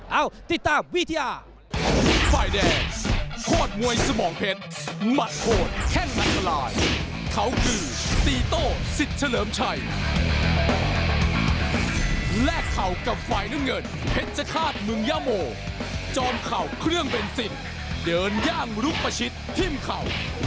เอ้าติดตามวิทยา